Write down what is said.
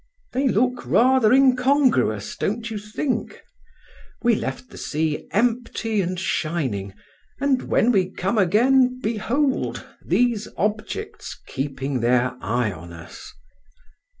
"They look rather incongruous, don't you think? We left the sea empty and shining, and when we come again, behold, these objects keeping their eye on us!"